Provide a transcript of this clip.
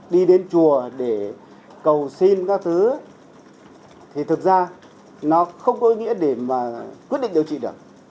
đi đến chùa để cầu xin các thứ thì thực ra nó không có ý nghĩa để mà quyết định điều trị được